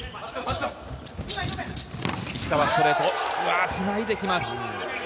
石川ストレート、繋いできます。